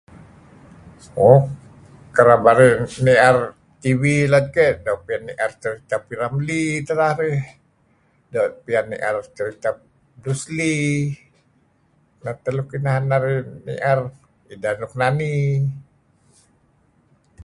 Mo kereb arih nuk sinier TV lad keyh doo' piyan nier P. Ramlee teh rarih. Doo' piyan nier serita Bruce Lee. Neh teh luk inan narih nier ideh nuk nani.